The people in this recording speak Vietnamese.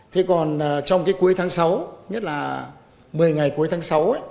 thế còn trong cuối tháng sáu nhất là một mươi ngày cuối tháng sáu